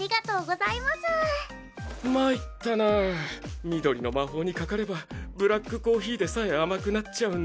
参ったなぁミドリの魔法にかかればブラックコーヒーでさえ甘くなっちゃうんだ。